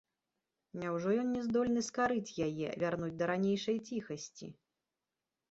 Няўжо ён не здольны скарыць яе, вярнуць да ранейшае ціхасці?